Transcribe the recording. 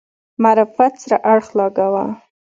معرفت سره اړخ لګاوه.